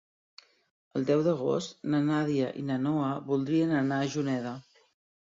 El deu d'agost na Nàdia i na Noa voldrien anar a Juneda.